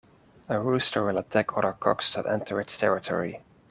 A rooster will attack other cocks that enter its territory.